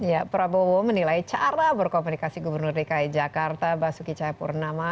ya prabowo menilai cara berkomunikasi gubernur dki jakarta basuki cahayapurnama